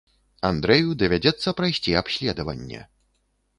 Андрэю давядзецца прайсці абследаванне.